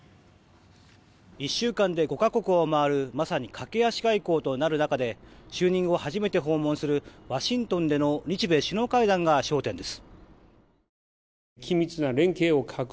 １週間で５か国を回るまさに駆け足外交となる中で就任後初めて訪問するワシントンでの日米首脳会談が焦点です。